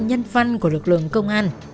nhân văn của lực lượng công an